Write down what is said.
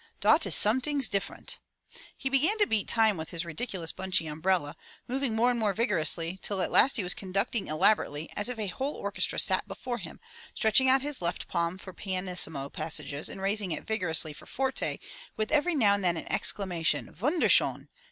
Dot is some dings different!" He began to beat time with his ridiculous 197 MY BOOK HOUSE bunchy umbrella, moving more and more vigorously till at last he was conducting elaborately as if a whole orchestra sat before him, stretching out his left palm for pianissimo passages and raising it vigorously for forte with every now and then an exclama tion. *'Wunderschdn!